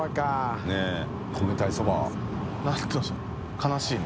悲しいの？